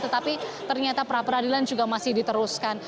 tetapi ternyata pra peradilan juga masih diteruskan